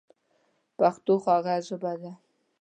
پښتو خوږه ژبه ده.